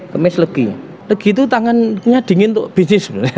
kemis lagi lagi itu tangannya dingin tuh bisnis sebenarnya